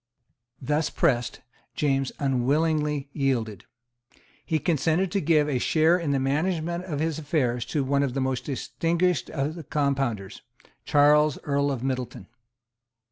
Thus pressed, James unwillingly yielded. He consented to give a share in the management of his affairs to one of the most distinguished of the Compounders, Charles Earl of Middleton.